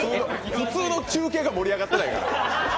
普通の中継が盛り上がってないから。